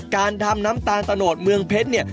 การทำน้ำตาลตะโนดเมืองเพชรเนี่ย